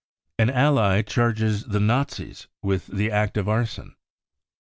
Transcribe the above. An Ally Charges the Nazis with the Act of Arson.